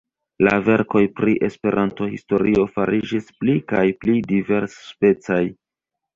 La verkoj pri Esperanto-historio fariĝis pli kaj pli diversspecaj.